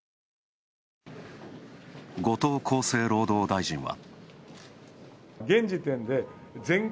後藤厚生労働大臣は。